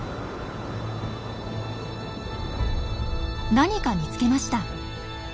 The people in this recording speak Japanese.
何か見つけました。